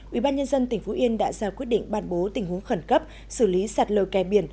ubnd tỉnh phú yên đã ra quyết định ban bố tình huống khẩn cấp xử lý sạt lời kè biển